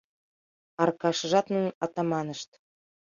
Аркашыжат, нунын атаманышт...